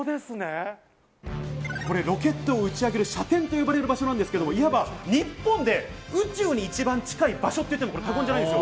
これロケットを打ち上げる射点と呼ばれる場所なんですけど、日本で宇宙に一番近い場所といっても過言じゃないです。